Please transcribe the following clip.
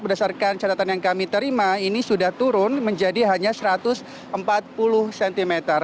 berdasarkan catatan yang kami terima ini sudah turun menjadi hanya satu ratus empat puluh cm